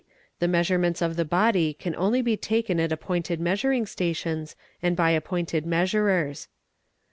The measurements of the body can only be taken at appointed "measuring stations, and by appointed measurers.